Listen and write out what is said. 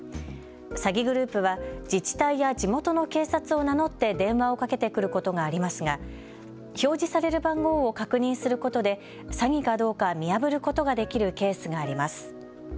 詐欺グループは自治体や地元の警察を名乗って電話をかけてくることがありますが表示される番号を確認することで詐欺かどうか見破ることができるケースがあります。